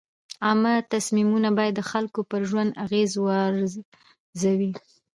عامه تصمیمونه باید د خلکو پر ژوند اغېز وارزوي.